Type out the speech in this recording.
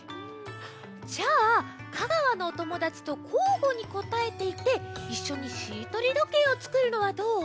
じゃあ香川のおともだちとこうごにこたえていっていっしょにしりとりどけいをつくるのはどう？